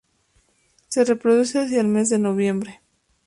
Se reproduce hacia el mes de noviembre.